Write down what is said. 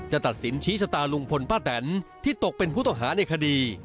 ตัดสินชี้ชะตาลุงพลป้าแตนที่ตกเป็นผู้ต้องหาในคดี